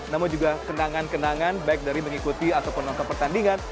namun juga kenangan kenangan baik dari mengikuti ataupun nonton pertandingan